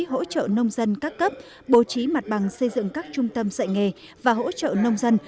hỗ trợ nông dân các cấp bố trí mặt bằng xây dựng các trung tâm dạy nghề và hỗ trợ nông dân